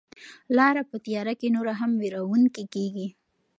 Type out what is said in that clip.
لاره په تیاره کې نوره هم وېروونکې کیږي.